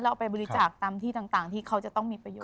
เอาไปบริจาคตามที่ต่างที่เขาจะต้องมีประโยชน